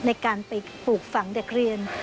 ในการไปปลูกฝังเด็กเรียน